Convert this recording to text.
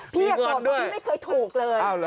พี่อยากโกรธเพราะที่ไม่เคยถูกเลย